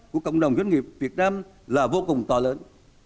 của cộng đồng doanh nghiệp việt nam là vô cùng to lớn